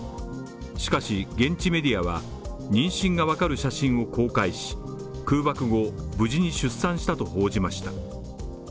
しかし現地メディアは、妊娠が分かる写真を公開し空爆後、無事に出産したと報じました。